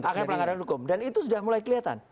akan pelanggaran hukum dan itu sudah mulai kelihatan